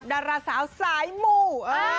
ดาราสาวสายหมู่